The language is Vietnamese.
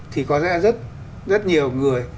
thì có rất nhiều người